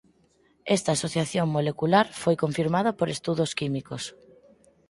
Esta asociación molecular foi confirmada por estudos químicos.